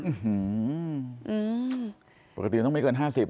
อื้อฮือปกติมันต้องไม่เกิน๕๐อ่ะ